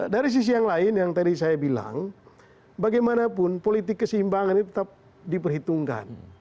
dari sisi yang lain yang tadi saya bilang bagaimanapun politik keseimbangan ini tetap diperhitungkan